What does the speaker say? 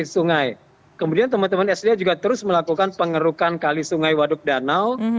melakukan penurapan kemudian dan teman teman lain juga melakukan pengerukan kali sungai waduk danau